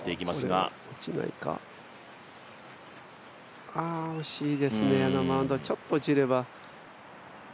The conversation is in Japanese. これは落ちないか、惜しいですね、あのマウンド、ちょっと落ちれば。